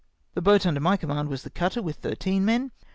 The boat under my command was the cutter with thirteen men.